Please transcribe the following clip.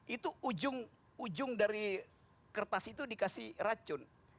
itu ujung dari kertas itu dikasih racun